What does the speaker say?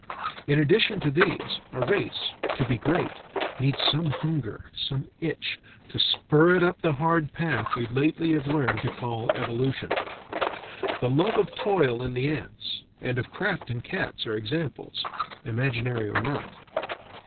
In addition to these, a race, to be great, needs some hunger, some itch, to spur it up the hard path we lately have learned to call evolution. The love of toil in the ants, and of craft in cats, are examples (imaginary or not).